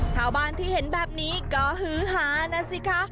ชาวบ้านที่เห็นแบบนี้ก็ฮือหานะสิคะ